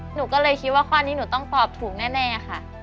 หนูก็เลยคิดว่าข้อนี้หนูต้องตอบถูกแน่ค่ะ